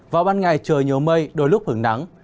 vào ban ngày trời nhiều mây đôi lúc hứng nắng